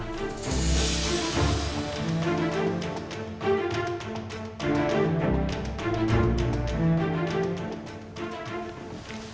kalau kamu mau jujur sama aku